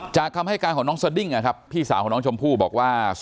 คำให้การของน้องสดิ้งนะครับพี่สาวของน้องชมพู่บอกว่า